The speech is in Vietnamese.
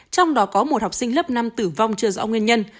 trong đó có một học sinh lớp năm tử vong chưa rõ nguyên nhân